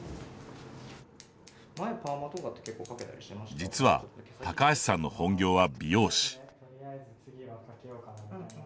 実は、高橋さんの本業は美容師。